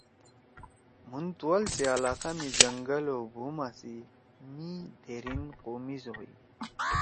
مُھن تُوال سی علاقہ می زنگل او بُھوما سی می دھیریِن قومیز ہوئی۔